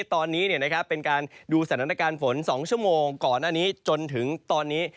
ตอนนี้เป็นการดูสถานการณ์ฝน๒ชั่วโมงก่อนหน้านี้จนถึงตอนนี้